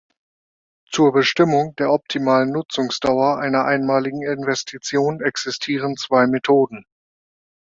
Zur Bestimmung der optimalen Nutzungsdauer einer einmaligen Investition existieren zwei Methoden.